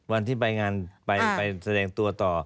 วันที่ไปงานไปแสดงตัวต่อ